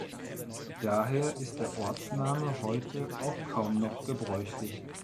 Daher ist der Ortsname heute auch kaum noch gebräuchlich.